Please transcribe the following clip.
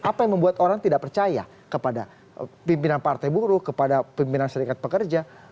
apa yang membuat orang tidak percaya kepada pimpinan partai buruh kepada pimpinan serikat pekerja